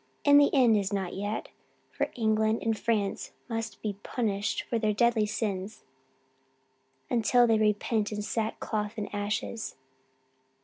And the end is not yet, for England and France must be punished for their deadly sins until they repent in sackcloth and ashes.'